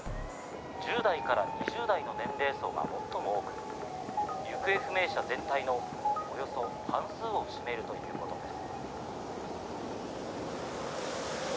１０代から２０代の年齢層が最も多く行方不明者全体のおよそ半数を占めるということです。